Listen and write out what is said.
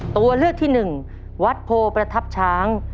ตัวเลือกที่หนึ่งวัดโพประทับช้าง